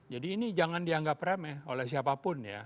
jadi ini jangan dianggap remeh oleh siapapun ya